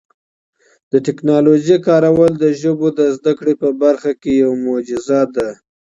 د ټکنالوژۍ کارول د ژبو د زده کړې په برخه کي یو معجزه ده.